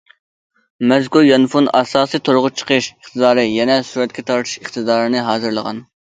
مەزكۇر يانفون ئاساسىي تورغا چىقىش ئىقتىدارى، يەنە سۈرەتكە تارتىش ئىقتىدارىنى ھازىرلىغان.